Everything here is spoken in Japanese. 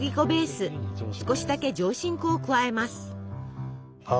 少しだけ上新粉を加えます。